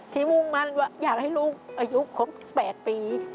ที่มุ่มมั่นว่าอยากให้ลูกอายุของ๑๘ปี